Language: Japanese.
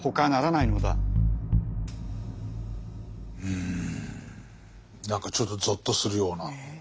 うん何かちょっとぞっとするような。